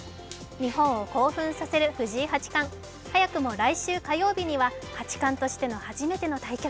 日本を興奮させる藤井八冠。早くも来週火曜日には八冠としての初めての対局